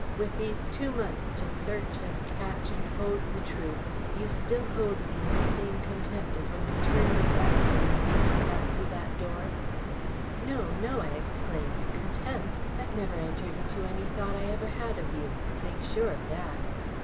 "With these two months to search and catch and hold the truth, you still hold me in the same contempt as when you turned your back on me and walked out through that door?" "No, no!" I exclaimed. "Contempt! That never entered into any thought I ever had of you. Make sure of that!"